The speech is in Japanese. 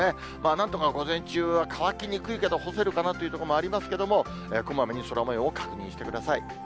なんとか午前中は乾きにくいけど干せるかなという所もありますけども、こまめに空もようを確認してください。